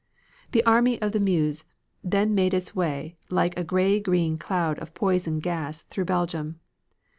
The Army of the Meuse then made its way like a gray green cloud of poison gas through Belgium.